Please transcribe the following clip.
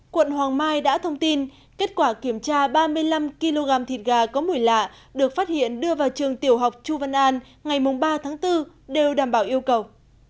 quận hoàng mai đã thông tin kết quả kiểm tra ba mươi năm kg thịt gà có mùi lạ được phát hiện đưa vào trường tiểu học chu văn an ngày ba tháng bốn đều đảm bảo yêu cầu